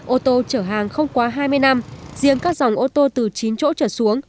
ô tô chở hàng không quá hai mươi năm riêng các dòng ô tô từ chín chỗ trở xuống